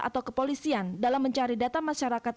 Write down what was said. atau kepolisian dalam mencari data masyarakat